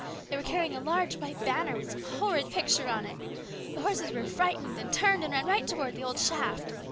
They were carrying a large white banner with some horrid picture on it. The horses were frightened, and turned and ran right towards the old shaft.